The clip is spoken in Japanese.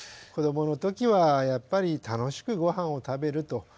子どもの時はやっぱり楽しくごはんを食べると。